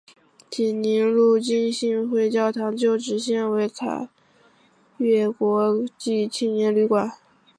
济宁路浸信会教堂旧址现为凯越国际青年旅馆。